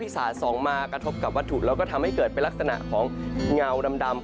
สะส่องมากระทบกับวัตถุแล้วก็ทำให้เกิดเป็นลักษณะของเงาดำ